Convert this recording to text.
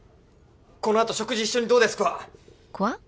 この後食事一緒にどうですくわ？